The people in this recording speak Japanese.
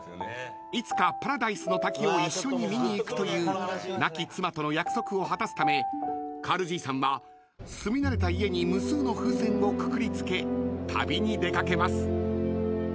［いつかパラダイスの滝を一緒に見に行くという亡き妻との約束を果たすためカールじいさんは住み慣れた家に無数の風船をくくりつけ旅に出掛けます］